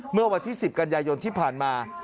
เมื่อวันที่๑๐กันยายนที่ผ่านมา